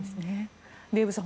デーブさん